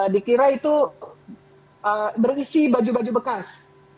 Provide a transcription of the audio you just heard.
dikira itu berisi baju baju bekas